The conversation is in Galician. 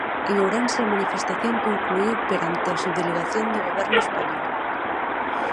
En Ourense a manifestación concluíu perante a Subdelegación do goberno español.